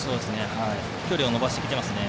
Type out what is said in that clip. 距離を伸ばしてきています。